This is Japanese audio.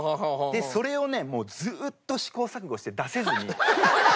でそれをねもうずっと試行錯誤して出せずに。